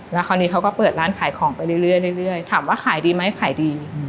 แล้วคราวนี้เขาก็เปิดร้านขายของไปเรื่อยถามว่าขายดีไหมขายดี